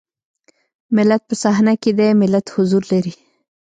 ملت په صحنه کې دی ملت حضور لري.